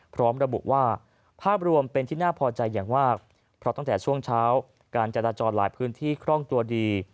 พร้อมระบุว่าภาพรวมเป็นที่น่าพอใจอย่างมากเพราะตั้งแต่ช่วงเช้าการจราจรหลายพื้นที่คล่องตัวดี